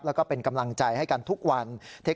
แล้วก็เป็นกำลังใจให้กันทุกวัน